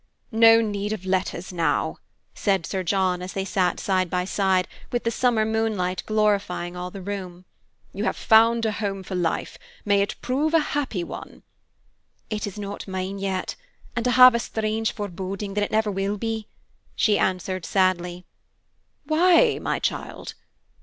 "No need of letters now," said Sir John, as they sat side by side, with the summer moonlight glorifying all the room. "You have found a home for life; may it prove a happy one." "It is not mine yet, and I have a strange foreboding that it never will be," she answered sadly. "Why, my child?"